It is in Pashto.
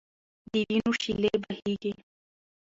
د وینو شېلې بهېږي.